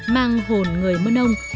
mang hồn người mân âu